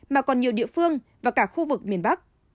mà còn nhiều địa phương và cả khu vực miền bắc